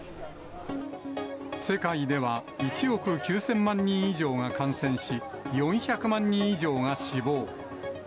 世界では１億９０００万人以上が感染し、４００万人以上が死亡。